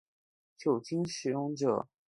酒精使用者